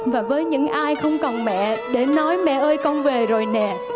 và với những ai không còn mẹ để nói mẹ ơi con về rồi nè